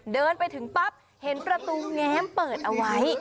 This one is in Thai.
เดินไปถึงปั๊บเห็นประตูแง้มเปิดเอาไว้